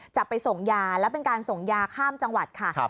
จะไปส่งยาและเป็นการส่งยาข้ามจังหวัดค่ะ